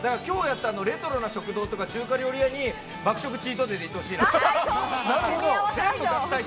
レトロな食堂とか中華料理屋に爆食チートデイで行ってほしいな。